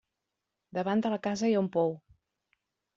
Davant de la casa hi ha un pou.